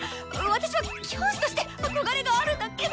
私は教師として憧れがあるだけで。